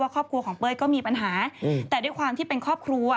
ครอบครัวของเป้ยก็มีปัญหาแต่ด้วยความที่เป็นครอบครัว